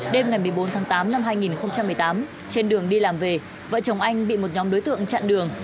đêm ngày một mươi bốn tháng tám năm hai nghìn một mươi tám trên đường đi làm về vợ chồng anh bị một nhóm đối tượng chặn đường